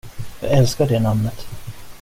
Jag älskar det namnet.